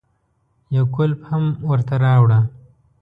يو کولپ هم ورته راوړه.